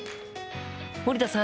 森田さん